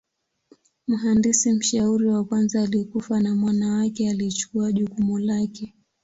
Mhandisi mshauri wa kwanza alikufa na mwana wake alichukua jukumu lake.